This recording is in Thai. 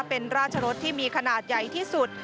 เป็นราชรสที่มีขนาดใหญ่ที่สุด